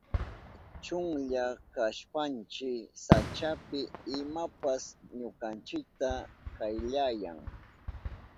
Chunlla kashpanchi sachapi imapas ñukanchita kayllayan.